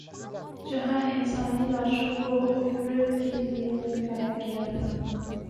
جہاں انسانی لاشوں کو عبرت کے لیے لٹکایا گیا تھا۔